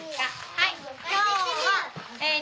はい。